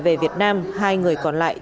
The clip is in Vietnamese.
về việt nam hai người còn lại